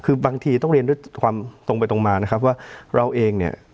คือบางทีต้องเรียนด้วยความตรงไปตรงมานะครับว่าเราเองเนี่ย